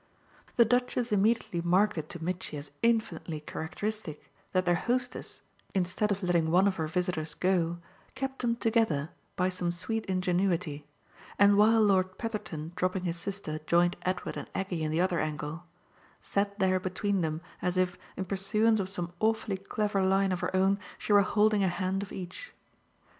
The Duchess immediately marked it to Mitchy as infinitely characteristic that their hostess, instead of letting one of her visitors go, kept them together by some sweet ingenuity and while Lord Petherton, dropping his sister, joined Edward and Aggie in the other angle, sat there between them as if, in pursuance of some awfully clever line of her own, she were holding a hand of each.